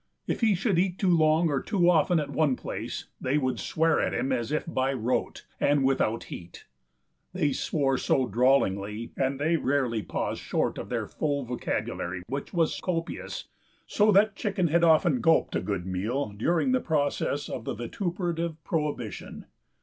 If he should eat too long or too often at one place they would swear at him as if by rote and without heat. They swore so drawlingly, and they rarely paused short of their full vocabulary, which was copious, so that Chicken had often gulped a good meal during the process of the vituperative prohibition.